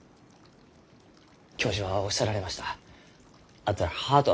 教授はおっしゃられました。